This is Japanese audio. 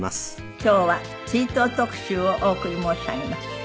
今日は追悼特集をお送り申し上げます。